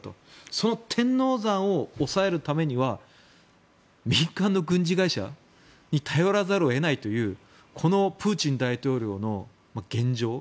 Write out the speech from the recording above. その天王山を押さえるためには民間の軍事会社に頼らざるを得ないというプーチン大統領の現状。